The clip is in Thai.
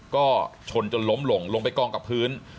ก็ชนจนล้มลงลงไปกองกับพื้น